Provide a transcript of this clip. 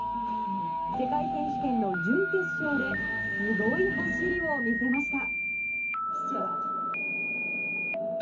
世界選手権の準決勝ですごい走りを見せました。